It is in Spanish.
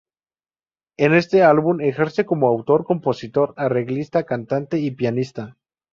En este álbum, ejerce como autor, compositor, arreglista, cantante y pianista.